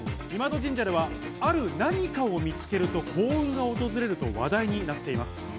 今戸神社ではある何かを見つけると幸運が訪れると話題になっています。